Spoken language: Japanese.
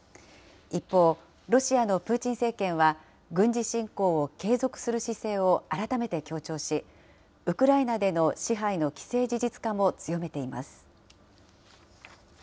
一方、ロシアのプーチン政権は、軍事侵攻を継続する姿勢を改めて強調し、ウクライナでの支配の既成事実化も強めています。